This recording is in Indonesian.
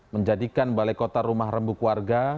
menjadikan balai kota rumah rembuk warga